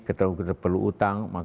kita perlu utang